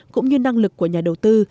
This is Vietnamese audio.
cũng như năng lực của nhà đầu tư